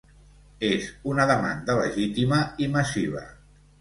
És una demanda legítima, i massiva.